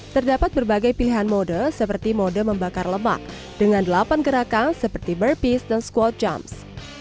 terdapat berbagai pilihan mode seperti mode membakar lemak dengan delapan gerakan seperti bir peace dan squat jumps